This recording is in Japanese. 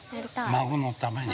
孫のために。